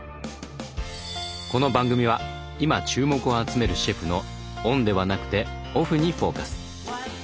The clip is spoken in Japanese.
この番組は今注目を集めるシェフのオンではなくてオフにフォーカス。